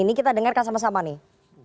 ini kita dengarkan sama sama nih